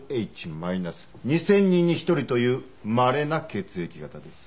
２０００人に１人というまれな血液型です。